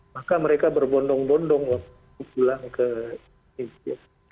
maka mereka berbondong bondong untuk pulang ke indonesia